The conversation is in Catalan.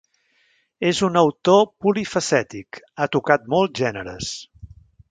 És un autor polifacètic, ha tocat molts gèneres.